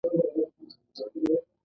په پنځو کلونو کې ډېره ګټه ترلاسه کړه.